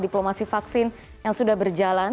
diplomasi vaksin yang sudah berjalan